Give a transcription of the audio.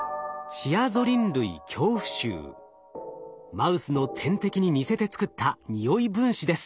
マウスの天敵に似せてつくったにおい分子です。